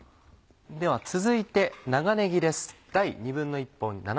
では続いて長ねぎです。